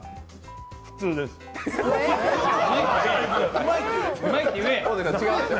普通です。